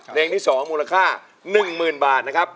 เพลงที่๒มูลค่า๑๐๐๐บาทนะครับ